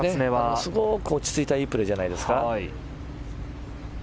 すごく落ち着いたいいプレーじゃないですか。